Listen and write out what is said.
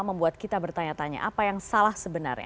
membuat kita bertanya tanya apa yang salah sebenarnya